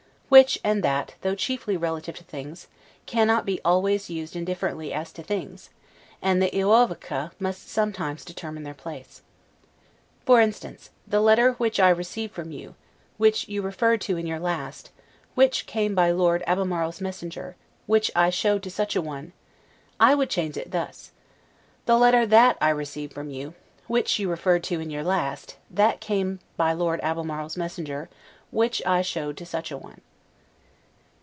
WHICH and THAT, though chiefly relative to things, cannot be always used indifferently as to things, and the 'euoovca' must sometimes determine their place. For instance, the letter WHICH I received from you, WHICH you referred to in your last, WHICH came by Lord Albemarle's messenger WHICH I showed to such a one; I would change it thus The letter THAT I received from you; WHICH you referred to in your last, THAT came by Lord Albemarle's messenger, and WHICH I showed to such a one.